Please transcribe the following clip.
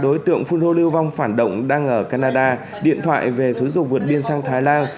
đối tượng phun rô lưu vong phản động đang ở canada điện thoại về xúi dục vượt biên sang thái lan